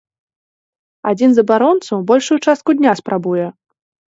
Адзін з абаронцаў большую частку дня спрабуе!